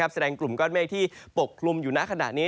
แสดงกลุ่มกล้อนเมฆที่ปกครุมอยู่หน้าขนาดนี้